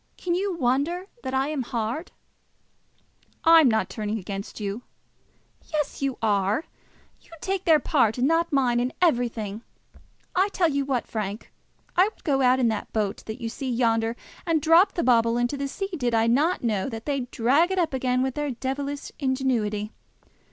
Can you wonder that I am hard?" "I am not turning against you." "Yes; you are. You take their part, and not mine, in everything. I tell you what, Frank; I would go out in that boat that you see yonder, and drop the bauble into the sea, did I not know that they'd drag it up again with their devilish ingenuity.